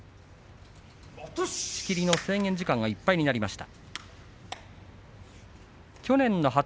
仕切りの制限時間がいっぱいになりました。